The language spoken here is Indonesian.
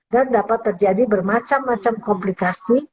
dan dapat terjadi bermacam macam komplikasi